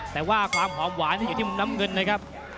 แต่ว่าความหอมหวานอยู่ที่มุมน้ำเงินนะครับ